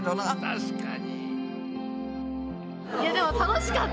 確かに。